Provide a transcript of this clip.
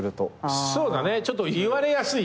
そうだねちょっと言われやすい。